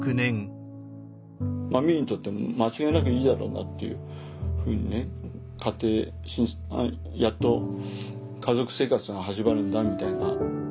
まあ美夢にとっても間違いなくいいだろうなっていうふうにね家庭やっと家族生活が始まるんだみたいな。